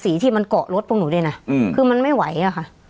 ที่มันเกาะรถพวกหนูด้วยนะคือมันไม่ไหวอะค่ะ